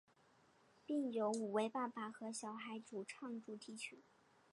并由五位爸爸和小孩主唱主题曲。